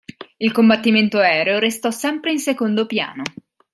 Il combattimento aereo restò sempre in secondo piano.